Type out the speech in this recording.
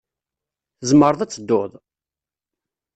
Tzemreḍ ad tedduḍ?